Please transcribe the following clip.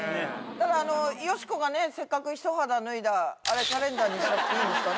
だからよしこがねせっかく一肌脱いだあれカレンダーにしなくていいんですかね？